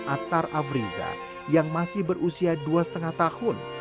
attar avriza yang masih berusia dua lima tahun